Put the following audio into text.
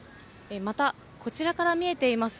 また、こちらから見えています